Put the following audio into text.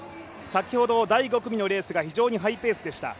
先ほど第５組のレースが非常にハイペースでした。